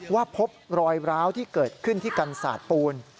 ว่าพบรอยร้าวที่เกิดขึ้นที่กันศาสตร์ปูน